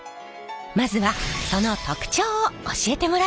まずはその特徴を教えてもらいましょう。